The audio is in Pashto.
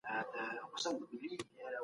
هغه پوهه چي د ټولني په اړه ده، ډېره ګټوره ده.